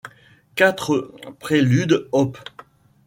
Quatre Préludes op.